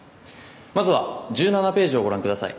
まずは１７ページをご覧ください